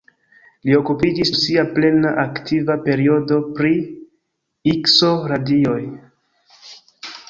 Li okupiĝis dum sia plena aktiva periodo pri Ikso-radioj.